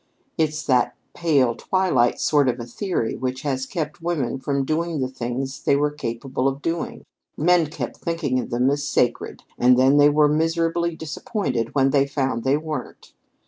It's that pale, twilight sort of a theory which has kept women from doing the things they were capable of doing. Men kept thinking of them as sacred, and then they were miserably disappointed when they found they weren't.